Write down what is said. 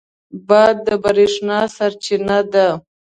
باد د برېښنا سرچینه ده.